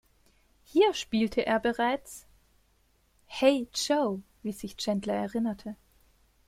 Hier spielte er bereits "Hey Joe", wie sich Chandler erinnerte.